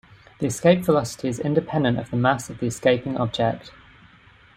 The escape velocity is independent of the mass of the escaping object.